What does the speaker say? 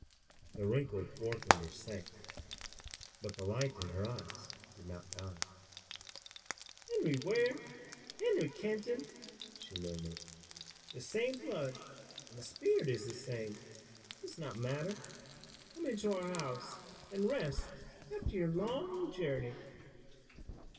The wrinkled forefinger sank, but the light in her eyes did not die. "Henry Ware, Harry Kenton!" she murmured. "The same blood, and the spirit is the same. It does not matter. Come into our house and rest after your long journey."